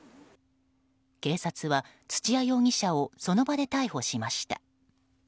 警察は、土屋容疑者をその場で逮捕しました。